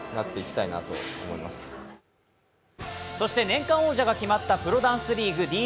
年間王者が決まったプロダンスＤリーグ。